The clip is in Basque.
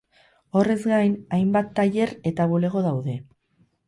Horrez gain, hainbat tailer eta bulego daude.